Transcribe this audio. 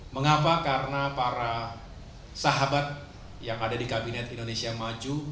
mengapa karena para sahabat yang ada di kabinet indonesia maju